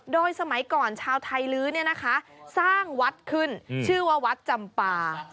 โดยสมัยก่อนชาวไทยลื้อสร้างวัดขึ้นชื่อว่าวัดจำป่า